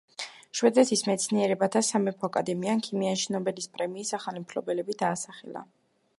შვედეთის მეცნიერებათა სამეფო აკადემიამ ქიმიაში ნობელის პრემიის ახალი მფლობელები დაასახელა.